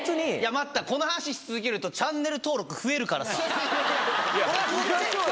待った、この話し続けると、チャンネル登録増えるからさ。